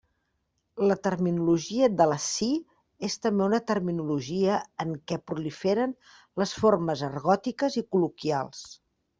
La terminologia de la SI és també una terminologia en què proliferen les formes argòtiques i col·loquials.